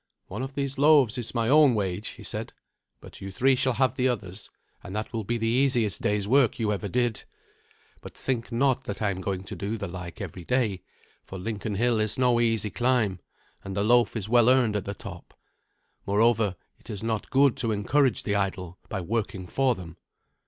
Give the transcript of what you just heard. "One of these loaves is my own wage," he said; "but you three shall have the others, and that will be the easiest day's work you ever did. But think not that I am going to do the like every day, for Lincoln hill is no easy climb, and the loaf is well earned at the top. Moreover, it is not good to encourage the idle by working for them."